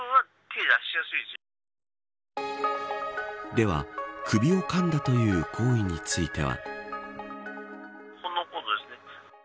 では首をかんだという行為については。